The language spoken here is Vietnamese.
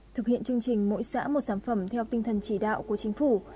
thực hiện chương trình mỗi xã một sản phẩm theo tinh thần chỉ đạo của chính phủ